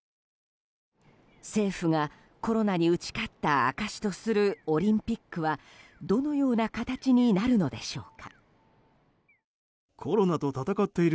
政府がコロナに打ち勝った証しとするオリンピックはどのような形になるのでしょうか。